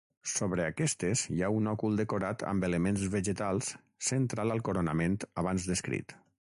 Sobre aquestes hi ha un òcul decorat amb elements vegetals, central al coronament abans descrit.